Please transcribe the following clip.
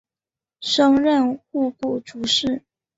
升任户部主事。